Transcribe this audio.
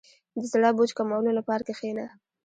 • د زړه بوج کمولو لپاره کښېنه.